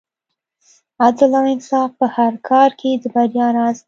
عدل او انصاف په هر کار کې د بریا راز دی.